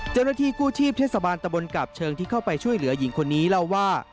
เจ้าหน้าที่กู้ชีพเทศบาลตะบนกาบเชิงที่เข้าไปช่วยเหลือหญิงคนนี้เล่าว่า